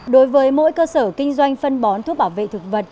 đối với mỗi cơ sở kinh doanh phân bón thuốc bảo vệ thực vật